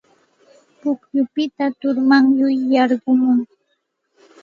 Pukyupita turmanyay yarqumun.